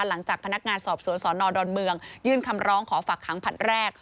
หลังจากพนักงานสอบสวนสนดอนเมืองยื่นคำร้องขอฝากขังผลัดแรก